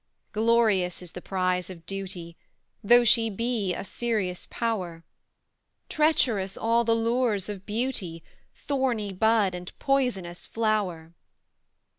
"Glorious is the prize of Duty, Though she be 'a serious power'; Treacherous all the lures of Beauty, Thorny bud and poisonous flower!